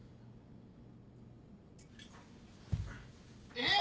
えっ！？